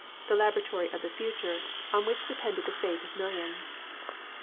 the laboratory of the future, on which dependod the fate of millions.